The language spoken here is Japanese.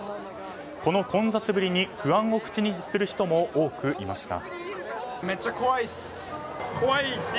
この混雑ぶりに不安を口にする人も多くいました。